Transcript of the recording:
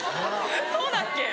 そうだっけ？